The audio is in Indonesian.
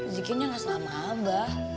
zikirnya gak selama abah